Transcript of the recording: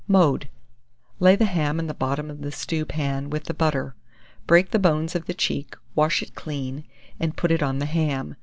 Mode. Lay the ham in the bottom of the stewpan, with the butter; break the bones of the cheek, wash it clean, and put it on the ham.